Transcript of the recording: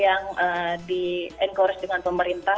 yang di encourage dengan pemerintah